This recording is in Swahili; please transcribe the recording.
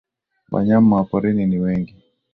Wanyama wa porini ni wengi.